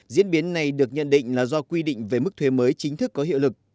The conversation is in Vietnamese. diễn biến này được nhận định là do quy định về mức thuế mới chính thức có hiệu lực